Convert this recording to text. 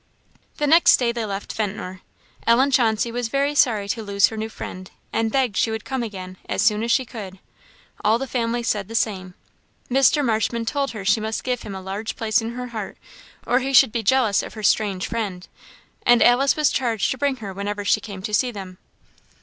The next day they left Ventnor. Ellen Chauncey was very sorry to lose her new friend, and begged she would come again "as soon as she could." All the family said the same. Mr. Marshman told her she must give him a large place in her heart, or he should be jealous of her "strange friend;" and Alice was charged to bring her whenever she came to see them.